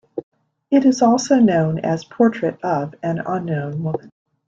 It is also known as Portrait of an Unknown Woman.